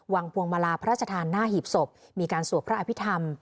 พวงมาลาพระราชทานหน้าหีบศพมีการสวดพระอภิษฐรรม